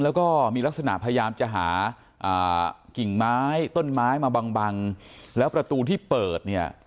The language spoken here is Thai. แล้วก็มีลักษณะพยายามจะหากิ่งไม้ต้นไม้มาบังบังแล้วประตูที่เปิดเนี่ย